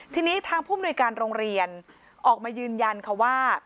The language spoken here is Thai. ทีนี้ทางผู้มนุยการโรงเรียนออกมายืนยันค่ะว่า